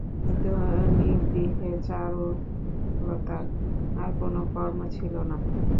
ধনীগৃহে চারুলতার কোনো কর্ম ছিল না।